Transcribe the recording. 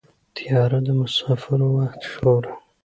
طیاره د مسافرو وخت ژغوري.